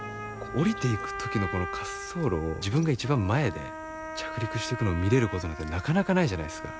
降りていく時のこの滑走路を自分が一番前で着陸してくのを見れることなんてなかなかないじゃないですか。